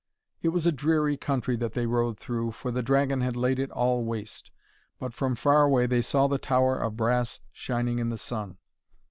It was a dreary country that they rode through, for the dragon had laid it all waste, but from far away they saw the tower of brass shining in the sun.